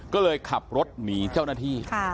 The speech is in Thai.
ก็เลยขับรถหนีเจ้าหน้าที่